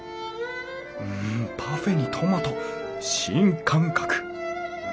うんパフェにトマト新感覚！